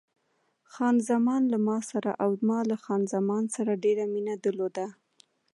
خان زمان له ما سره او ما له خان زمان سره ډېره مینه درلوده.